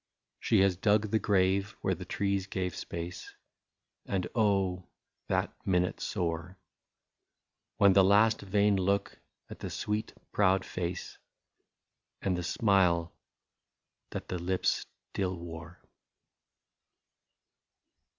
She has dug the grave where the trees gave space, And oh ! that minute sore, — With its last vain look at the sweet proud face And the smile that the lips still wore.